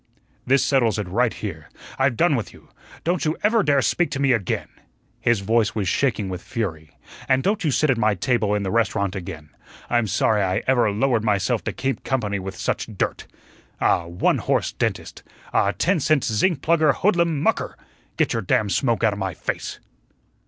"This settles it right here. I've done with you. Don't you ever dare speak to me again" his voice was shaking with fury "and don't you sit at my table in the restaurant again. I'm sorry I ever lowered myself to keep company with such dirt. Ah, one horse dentist! Ah, ten cent zinc plugger hoodlum MUCKER! Get your damn smoke outa my face."